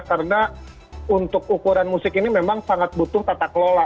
karena untuk ukuran musik ini memang sangat butuh tata kelola